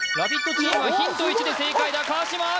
チームはヒント１で正解が川島明